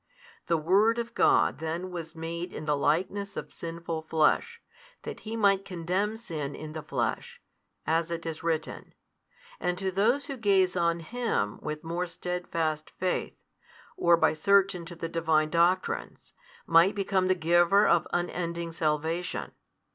The Word of God then was made in the likeness oj sinful flesh, that He might condemn sin in the flesh, as it is written, and to those who gaze on Him with more steadfast faith, or by search into the Divine doctrines, might become the Giver of unending salvation.